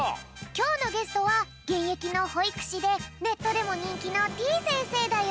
きょうのゲストはげんえきのほいくしでネットでもにんきのてぃ先生だよ。